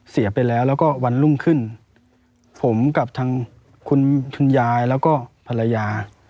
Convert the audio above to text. เสียไปแล้วแล้วก็วันรุ่งขึ้นผมกับทางคุณคุณยายแล้วก็ภรรยา